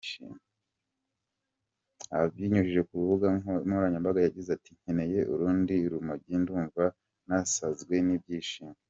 Abinyujije ku mbuga nkoranyambaga yagize ati, “Nkeneye urundi rumogi, ndumva nasazwe n’ibyishimo”.